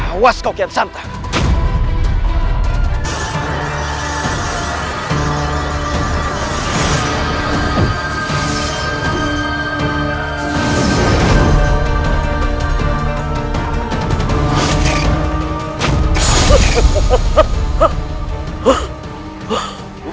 awas kau kian santah